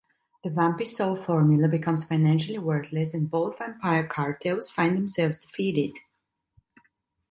The Vampisol formula becomes financially worthless and both vampire cartels find themselves defeated.